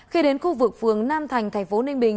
khi đến khu vực phường nam thành thành phố ninh bình